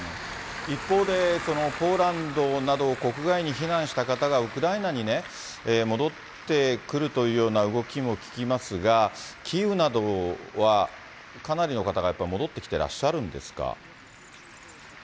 一方で、ポーランドなど、国外に避難した方がウクライナに戻ってくるというような動きも聞きますが、キーウなどはかなりの方が戻ってきてらっしゃるんですか。